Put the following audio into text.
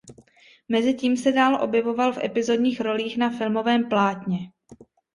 Mezitím se dál objevoval v epizodních rolích na filmovém plátně.